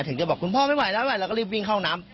ถึงจะบอกคุณพ่อไม่ไหวแล้วไม่ไหวแล้วก็รีบวิ่งเข้าน้ำ